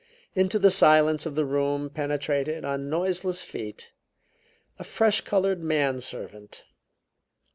Into the silence of the room penetrated, on noiseless feet, a fresh colored man servant.